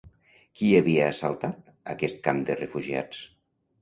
Qui havia assaltat aquest camp de refugiats?